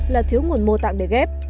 là thiếu nguồn mô tạng để ghép